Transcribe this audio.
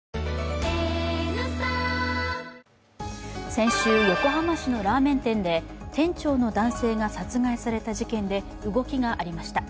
先週、横浜市のラーメン店で店長の男性が殺害された事件で動きがありました。